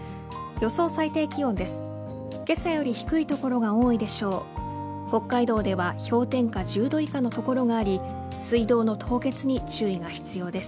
予想最低気温です。